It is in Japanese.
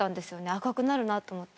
赤くなるなと思って。